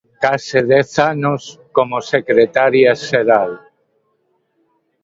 Case dez anos como secretaria xeral.